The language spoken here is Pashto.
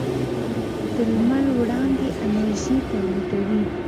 د لمر وړانګې انرژي تولیدوي.